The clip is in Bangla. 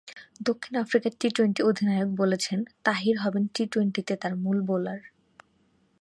দক্ষিণ আফ্রিকার টি-টোয়েন্টি অধিনায়ক বলছেন, তাহির হবেন টি-টোয়েন্টিতে তাঁর মূল বোলার।